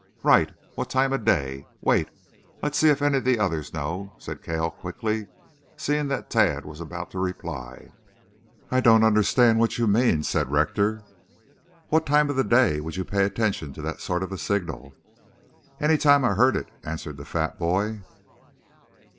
"Right. What time of day? Wait! Let's see if any of the others know," said Cale quickly, seeing that Tad was about to reply. "I don't understand what you mean," said Rector. "What time of the day would you pay attention to that sort of a signal?" "Any time I heard it," answered the fat boy.